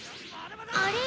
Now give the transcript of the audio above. あれ？